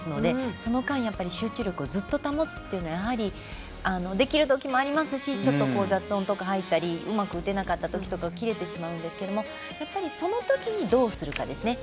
その間、集中力をずっと保つというのはやはり、できるときもありますしちょっと雑音とか入ったりうまく撃てなかったときとか切れてしまうんですけどやっぱり、そのときにどうするかですね。